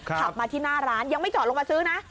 ขับมาที่หน้าร้านยังไม่จอดลงมาซื้อนะ